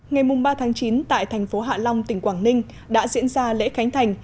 ngày ba chín tại thành phố hạ long tỉnh quảng ninh đã diễn ra lễ khánh thành